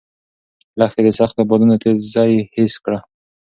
لښتې د سختو بادونو تېزي حس کړه.